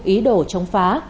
ý đồ chống phá